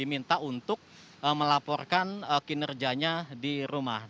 diminta untuk melaporkan kinerjanya di rumah